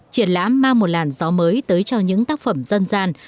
triển lãm mang một làn gió mới tới cho những tác phẩm dân gian